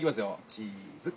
チーズ！